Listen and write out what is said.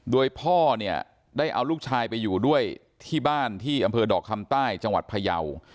โดยพ่อเนี่ยได้เอาลูกชายไปอยู่ด้วยที่บ้านที่อำเภอดอกคำใต้จังหวัดพยาว